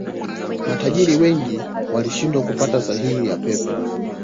Matajiri wengi walishindwa kupata sahihi ya Pep